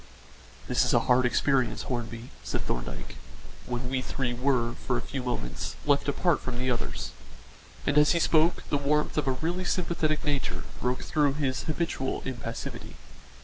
"This is a hard experience, Hornby," said Thorndyke, when we three were, for a few moments, left apart from the others; and as he spoke the warmth of a really sympathetic nature broke through his habitual impassivity.